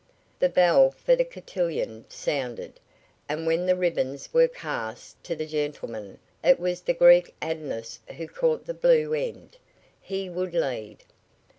The bell for the cotillion sounded, and when the ribbons were cast to the gentlemen it was the Greek Adonis who caught the blue end. He would lead.